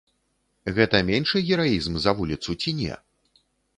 Гэта меншы гераізм за вуліцу ці не?